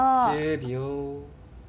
１０秒。